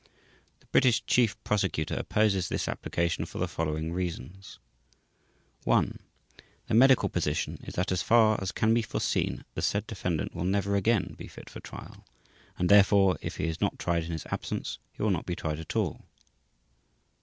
The British Chief Prosecutor opposes this application for the following reasons: i) The medical position is that as far as can be foreseen the said defendant will never again be fit for trial, and therefore if he is not tried in his absence, he will not be tried at all.